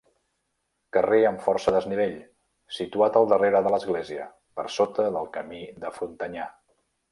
Carrer amb força desnivell, situat al darrere de l'església, per sota del camí de Frontanyà.